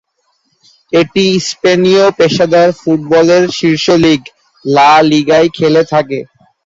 এটি স্পেনীয় পেশাদার ফুটবলের শীর্ষ লীগ, লা লিগায় খেলে থাকে।